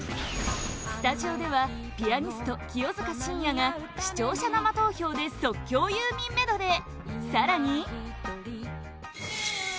スタジオではピアニスト清塚信也が視聴者生投票で即興ユーミンメドレー！